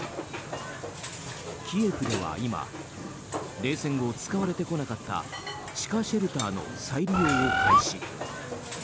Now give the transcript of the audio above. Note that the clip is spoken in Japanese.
キエフでは今冷戦後使われてこなかった地下シェルターの再利用を開始。